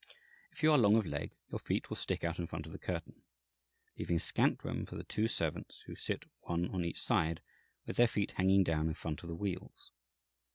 If you are long of leg, your feet will stick out in front of the curtain, leaving scant room for the two servants, who sit, one on each side, with their feet hanging down in front of the wheels.